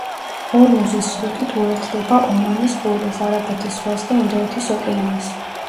ჰორმუზის სრუტით უერთდება ომანის ყურეს, არაბეთის ზღვას და ინდოეთის ოკეანეს.